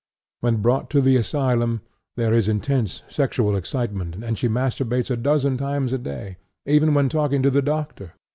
When brought to the asylum, there is intense sexual excitement, and she masturbates a dozen times a day, even when talking to the doctor.